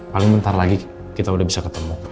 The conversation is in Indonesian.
paling bentar lagi kita udah bisa ketemu